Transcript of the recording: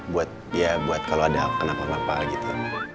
buat ya buat kalo ada kenapa napa gitu